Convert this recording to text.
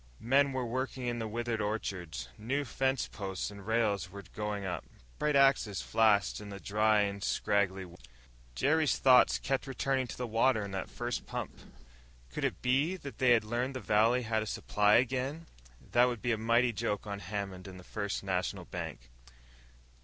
Men were working in the withered orchards. New fence posts and rails were going up; bright axes flashed in the dry and scraggly wood lots. Jerry's thoughts kept returning to the water in that first pump. Could it be that they had learned the valley had a supply again? That would be a mighty joke on Hammond and the First National Bank.